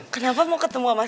kenapa mau ketemu sama